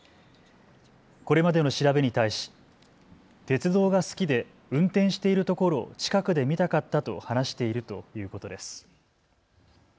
これまでの調べに対し鉄道が好きで運転しているところを近くで見たかったと話しているということです。